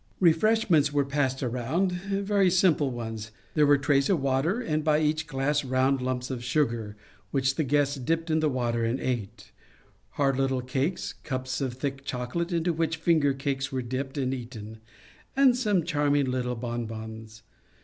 Refreshments were passed around, very simple ones. There were trays of water, and by each glass round lumps of sugar, which the guests dipped in the water and ate, hard little cakes, cups of thick chocolate into which finger cakes were dipped and eaten, and some charming little bonbons.